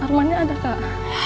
mas arman nya ada kak